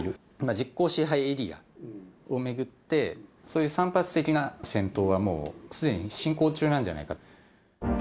実効支配エリアを巡って、そういう散発的な戦闘はもうすでに進行中なんじゃないか。